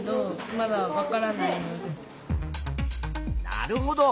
なるほど。